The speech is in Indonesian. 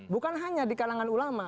bukan hanya di kalangan ulama